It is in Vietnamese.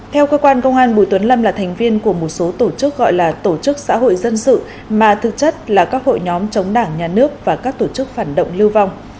theo cơ quan công an bùi tuấn lâm là thành viên của một số tổ chức gọi là tổ chức xã hội dân sự mà thực chất là các hội nhóm chống đảng nhà nước và các tổ chức phản động lưu vong